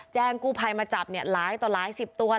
แจงกู่ภัยมาจับเนี่ยหลายต่อหลายสิบตัวแล้ว